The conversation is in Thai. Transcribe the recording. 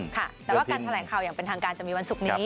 ค่ะแต่ว่าการแถลงข่าวอย่างเป็นทางการจะมีวันศุกร์นี้